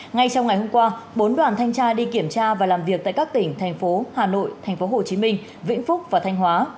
ngay trong ngày hôm qua bốn đoàn thanh tra đi kiểm tra và làm việc tại các tỉnh thành phố hà nội thành phố hồ chí minh vĩnh phúc và thanh hóa